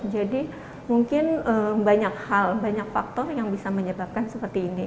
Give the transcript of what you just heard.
jadi mungkin banyak hal banyak faktor yang bisa menyebabkan seperti ini